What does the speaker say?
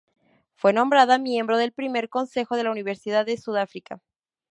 Fue nombrada miembro del primer Consejo de la Universidad de Sudáfrica.